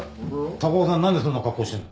高尾さんなんでそんな格好してるの？